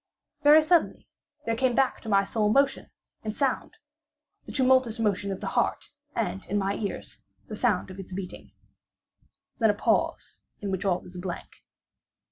Very suddenly there came back to my soul motion and sound—the tumultuous motion of the heart, and, in my ears, the sound of its beating. Then a pause in which all is blank.